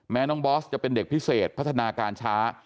น้องบอสจะเป็นเด็กพิเศษพัฒนาการช้า